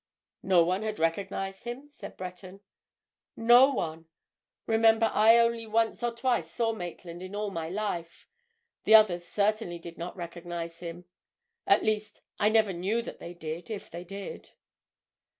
"No one had recognized him?" said Breton. "No one! Remember, I only once or twice saw Maitland in all my life. The others certainly did not recognize him. At least, I never knew that they did—if they did."